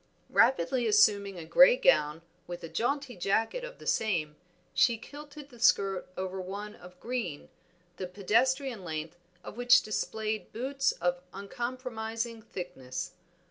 Rapidly assuming a gray gown, with a jaunty jacket of the same, she kilted the skirt over one of green, the pedestrian length of which displayed boots of uncompromising thickness.